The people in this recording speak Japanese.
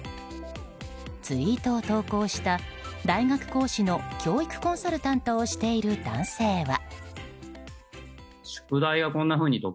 ツイートを登校した大学講師の教育コンサルタントをしている男性は。